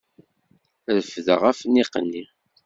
Refdeɣ afniq-nni.